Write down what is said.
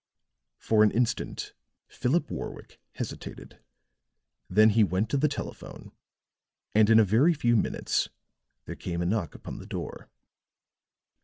For an instant Philip Warwick hesitated; then he went to the telephone; and in a very few minutes there came a knock upon the door.